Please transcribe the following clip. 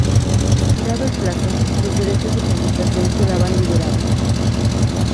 Expirado el plazo, los derechos de publicación quedaban liberados.